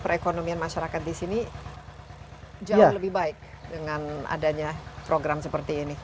perekonomian masyarakat di sini jauh lebih baik dengan adanya program seperti ini